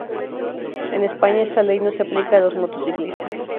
En España esta ley no se aplica a los motociclistas.